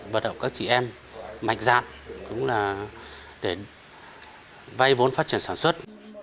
vận động các chị em mạnh dạng để vay vốn phát triển sản xuất